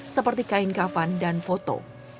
seperti kain kafan dan foto